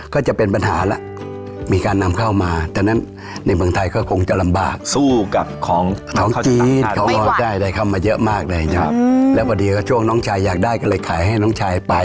ของของจีนเขาได้ได้เข้ามาเยอะมากเลยนะครับแล้วพอดีก็ช่วงน้องชายอยากได้ก็เลยขายให้น้องชายไป